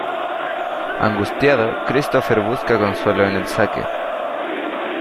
Angustiado, Christopher busca consuelo en el sake.